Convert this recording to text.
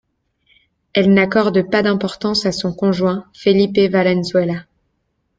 Elle n'accorde pas d'importance à son conjoint, Felipe Valenzuela.